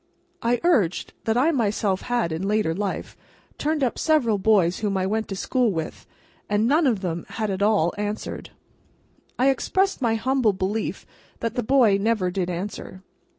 I urged that I myself had, in later life, turned up several boys whom I went to school with, and none of them had at all answered. I expressed my humble belief that that boy never did answer.